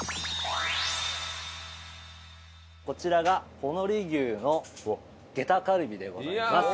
こちらがほのり牛のゲタカルビでございます。